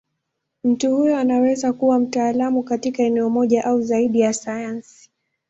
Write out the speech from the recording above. Mtu huyo anaweza kuwa mtaalamu katika eneo moja au zaidi ya sayansi.